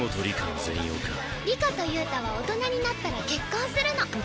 里香と憂太は大人になったら結婚するの。